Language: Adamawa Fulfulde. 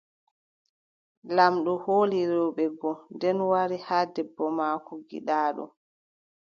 Laamɗo hooli rewɓe go, nden wari haa debbo maako giɗaaɗo.